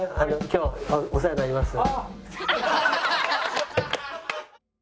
今日お世話になります。